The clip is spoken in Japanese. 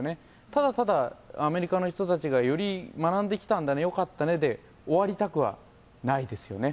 ただただ、アメリカの人たちがより学んできたんだね、よかったねだけで終わりたくはないですよね。